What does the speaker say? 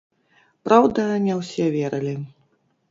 Праўда, не ўсе верылі.